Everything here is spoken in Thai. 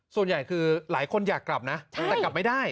ส่วนใหญ่คือหลายคนอยากกลับนะแต่กลับไม่ได้